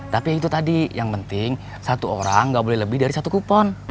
tapi itu tadi yang penting satu orang nggak boleh lebih dari satu kupon